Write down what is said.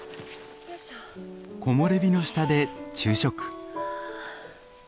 木漏れ日の下で昼食。